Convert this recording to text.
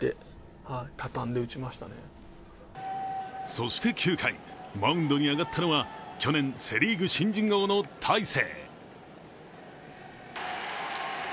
そして９回、マウンドに上がったのは去年、セ・リーグ新人王の大勢。